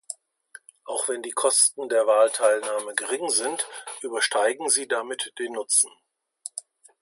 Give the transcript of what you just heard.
Auch wenn die Kosten der Wahlteilnahme gering sind, übersteigen sie damit den Nutzen.